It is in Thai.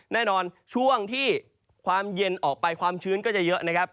ในช่วงที่ความเย็นออกไปความชื้นก็จะเยอะนะครับ